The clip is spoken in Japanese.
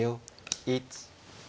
１。